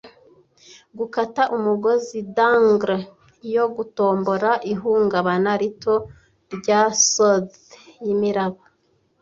Gukata umugozi, dangle yo gutombora, ihungabana rito rya soothe yimiraba,